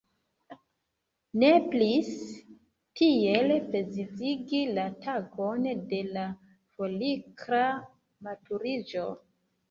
Nepris tiel precizigi la tagon de la folikla maturiĝo.